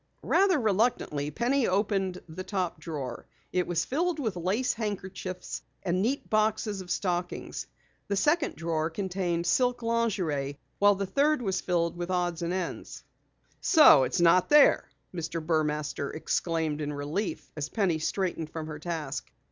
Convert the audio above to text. Rather reluctantly, Penny opened the top drawer. It was filled with lace handkerchiefs, and neat boxes of stockings. The second drawer contained silk lingerie while the third was filled with odds and ends. "So it's not there!" Mr. Burmaster exclaimed in relief as Penny straightened from her task.